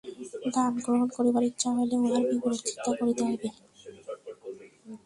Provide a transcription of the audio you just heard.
দান গ্রহণ করিবার ইচ্ছা হইলে উহার বিপরীত চিন্তা করিতে হইবে।